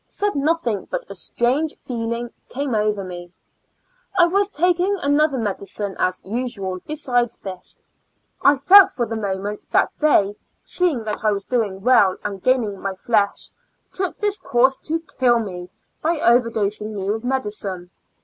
Said nothing, but a strange feeling came over me. I was taking other medicine, as usual, besides this. I felt for the moment that they, seeing that I was doing well and 126 ^^^^ Years and Fo ur Months gaining my flesh, took this course to kill me, by over closing me with medicine.